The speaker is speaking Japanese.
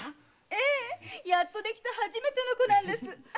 ええ！やっとできた初めての子なんです！